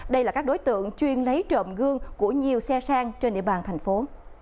đây là các đối tượng chuyên lấy trộm gương của nhiều xe sang trên địa bàn thành phố